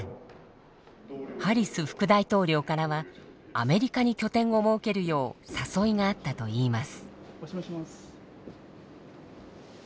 ハリス副大統領からはアメリカに拠点を設けるよう誘いがあったといいます。